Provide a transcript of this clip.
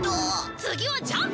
次はジャンプ！